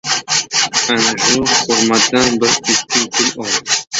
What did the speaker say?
Ana shu xurmodan bir-ikki kilo ol.